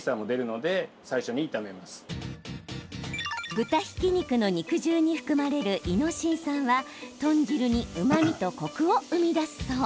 豚ひき肉の肉汁に含まれるイノシン酸は豚汁に、うまみとコクを生み出すそう。